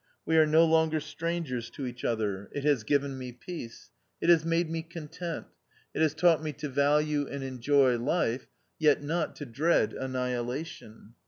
We are no longer strangers to each other. It has given me peace. It has made me content. It has taught me to value and enjoy life, yet not to dread annihilation.